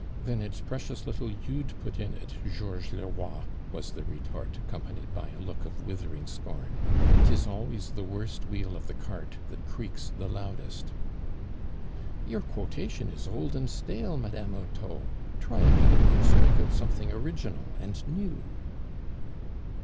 "Then its precious little you'd put in it, George Leroi," was the retort, accompanied by a look of withering scorn. " 'Tis always the worst wheel of the cart that creaks the loudest." '' Your quotation is old and stale, Madame Hurteau I Try again and strike out some thing original and new."